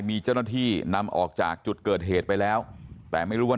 มีเจ้าหน้าที่นำออกจากจุดเกิดเหตุไปแล้วแต่ไม่รู้ว่า